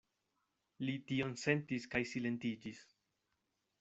Li tion sentis kaj silentiĝis.